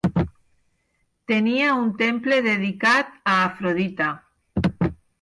Tenia un temple dedicar a Afrodita.